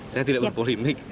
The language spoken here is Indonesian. saya tidak berpolemik